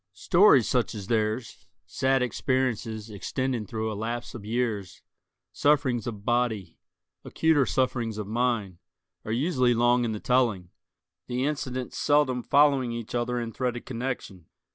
Stories such as theirs—sad experiences extending through a lapse of years, sufferings of body, acuter sufferings of mind—are usually long in the telling, the incidents seldom following each other in threaded connection.